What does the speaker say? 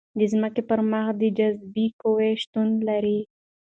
د ځمکې پر مخ د جاذبې قوه شتون لري.